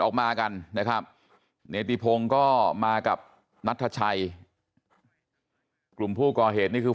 ออกมากันนะครับเนติพงศ์ก็มากับนัทชัยกลุ่มผู้ก่อเหตุนี่คือ